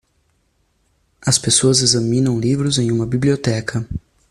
As pessoas examinam livros em uma biblioteca.